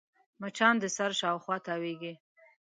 مچان د سر شاوخوا تاوېږي